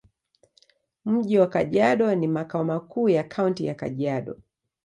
Mji wa Kajiado ni makao makuu ya Kaunti ya Kajiado.